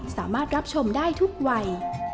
สามารถรับชมได้ทุกวัย